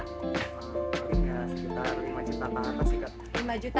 mungkin sekitar lima juta